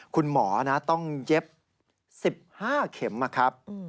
คุณหมอต้องเย็บ๑๕เข็มนะครับ